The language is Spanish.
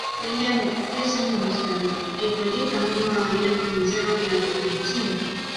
Tres años más tarde, el proyecto aún no había comenzado la construcción.